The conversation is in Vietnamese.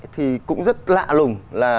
thì cũng rất lạ lùng